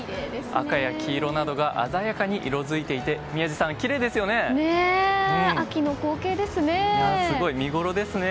赤や黄色などが鮮やかに色づいていて秋の光景ですね。